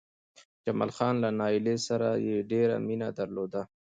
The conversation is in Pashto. جمال خان چې له نايلې سره يې ډېره مينه درلوده